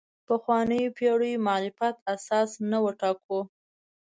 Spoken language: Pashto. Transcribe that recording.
پخوانیو پېړیو معرفت اساس نه وټاکو.